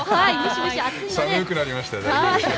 寒くなりましたね。